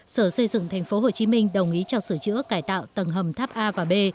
sở xây dựng thành phố hồ chí minh đồng ý cho sửa chữa cải tạo tầng hầm tháp a và b